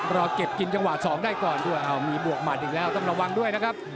รอเก็บกินจังหวะ๒ได้ก่อนด้วยเอามีบวกหมัดอีกแล้วต้องระวังด้วยนะครับ